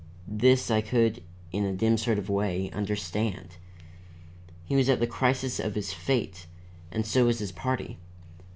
This I could, in a dim sort of way, understand. He was at the crisis of his fate, and so was his party.